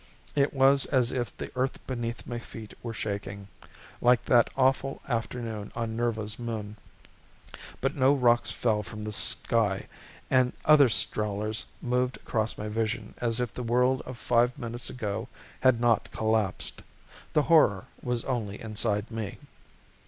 It was as if the earth beneath my feet were shaking, like that awful afternoon on Nirva's moon. But no rocks fell from this sky and other strollers moved across my vision as if the world of five minutes ago had not collapsed. The horror was only inside me.